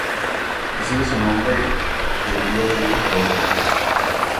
Recibe su nombre del día del trabajador.